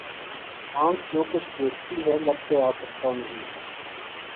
آنکھ جو کچھ دیکھتی ہے لب پہ آ سکتا نہیں